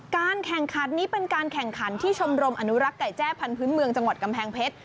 การแข่งขันนี้เป็นการแข่งขันที่ชมรมอนุรักษ์ไก่แจ้พันธุ์เมืองจังหวัดกำแพงเพชร